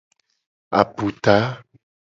Aputa.